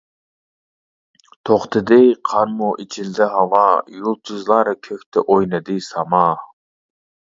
توختىدى قارمۇ ئېچىلدى ھاۋا، يۇلتۇزلار كۆكتە ئوينىدى ساما.